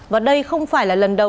và đây không phải là lần đầu